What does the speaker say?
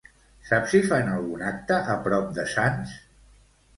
Saps si fan algun acte a prop de Sants?